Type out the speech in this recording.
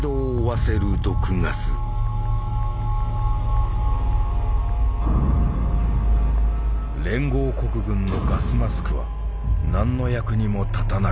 連合国軍のガスマスクは何の役にも立たなかった。